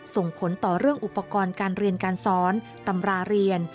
ส่งผลต่อเรื่องอุปกรณ์การเรียนการสอนตำราเรียน